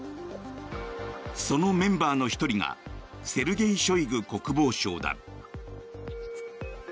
そのメンバーの１人がセルゲイ・ショイグ国防相だ。